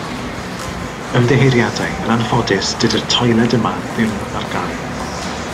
Ymddiheuriadau, yn anffodus, dydi'r toiled yma ddim ar gael.